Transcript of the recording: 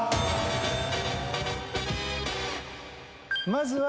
まずは。